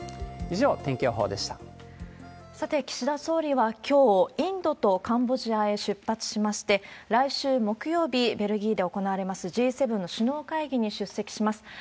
以上、さて、岸田総理はきょう、インドとカンボジアへ出発しまして、来週木曜日、ベルギーで行われますＧ７首脳会議に出席します。